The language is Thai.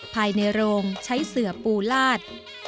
ภายในโรงใช้เสือปูลาด